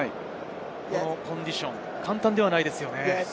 このコンディション、簡単ではないですよね。